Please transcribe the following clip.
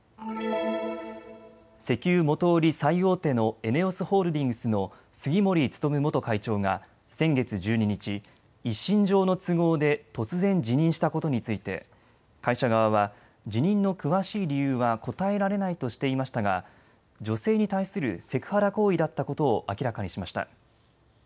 石油元売り最大手のＥＮＥＯＳホールディングスの杉森務元会長が先月１２日、一身上の都合で突然、辞任したことについて会社側は辞任の詳しい理由は答えられないとしていましたが女性に対するセクハラ行為だったことを明らかにしました。